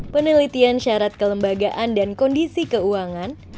penelitian syarat kelembagaan dan kondisi keuangan